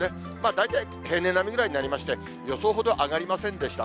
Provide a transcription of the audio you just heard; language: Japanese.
大体平年並みぐらいになりまして、予想ほど上がりませんでした。